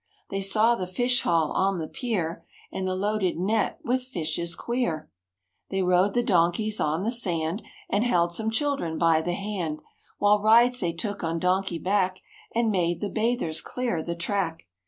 They saw the fish haul on the pier And the loaded net with fishes queer They rode the donkeys on the sand And held some children by the hand While rides they took on donkey back And made the bathers clear the track.